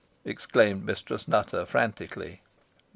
exclaimed Mistress Nutter, frantically.